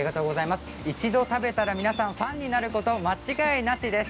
一度食べたら皆さんファンになること間違いなしです。